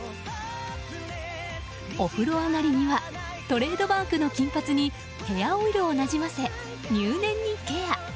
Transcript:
お風呂上がりにはトレードマークの金髪にヘアオイルをなじませ入念にケア。